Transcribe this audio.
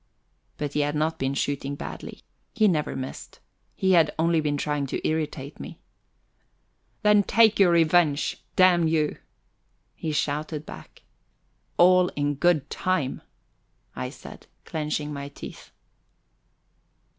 But he had not been shooting badly. He never missed. He had only been trying to irritate me. "Then take your revenge, damn you!" he shouted back. "All in good time," I said, clenching my teeth.